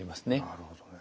なるほどね。